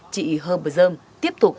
chị hơ bờ dơm tiếp tục